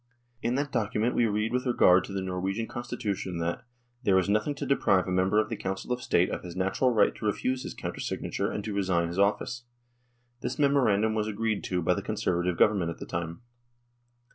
In that document we read with regard to the Norwegian Constitution that "there is nothing to deprive a member of the Council of State of his natural right to refuse his counter signature and to resign his office." This memorandum was agreed to by the Conservative Government at the time.